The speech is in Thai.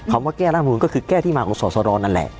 คำว่าแก้ร่างรับภูมินก็คือแก้ที่มาของส่อสรองนั่นแหละ